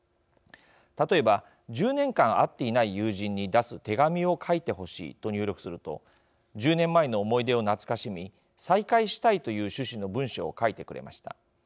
例えば１０年間会っていない友人に出す手紙を書いてほしいと入力すると１０年前の思い出を懐かしみ再会したいという趣旨の文章を書いてくれました。